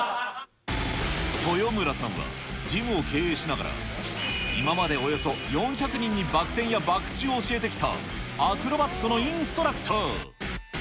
豊村さんはジムを経営しながら、今までおよそ４００人にバク転やバク宙を教えてきた、アクロバットのインストラクター。